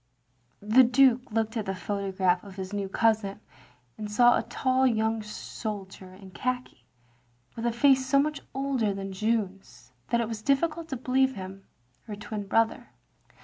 The Dtike looked at the photograph of his new cousin, and saw a tall young soldier in khaki^ with a face so much older than Jeanne's that it was diflScult to believe him her twin brother.